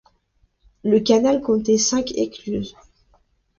Le canal comptait cinq écluses.